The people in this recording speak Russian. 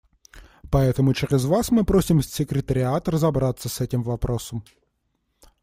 Поэтому через Вас мы просим секретариат разобраться с этим вопросом.